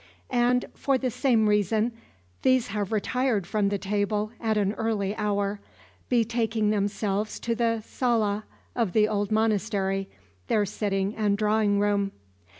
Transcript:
And, for the same reason, these have retired from the table at an early hour, betaking themselves to the sala of the old monastery, their sitting and drawing room.